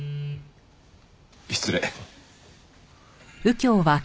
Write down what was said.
失礼。